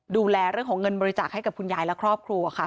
ดูแลเรื่องของเงินบริจาคให้กับคุณยายและครอบครัวค่ะ